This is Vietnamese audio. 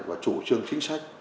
và chủ trương chính sách